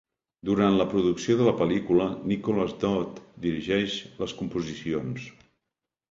Durant la producció de la pel·lícula, Nicholas Dodd dirigeix les composicions.